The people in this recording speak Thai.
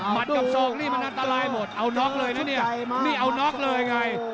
กับโศกนี่มันอันตรายหมดเอาน็อกเลยนะเนี่ยนี่เอาน็อกเลยไง